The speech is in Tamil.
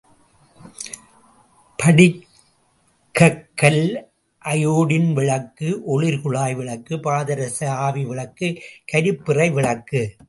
படிகக்கல் அயோடின் விளக்கு, ஒளிர்குழாய் விளக்கு, பாதரச ஆவிவிளக்கு கரிப்பிறை விளக்கு.